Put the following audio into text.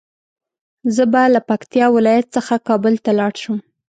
زه به له پکتيا ولايت څخه کابل ته لاړ شم